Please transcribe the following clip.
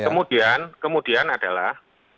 nah kemudian kemudian adalah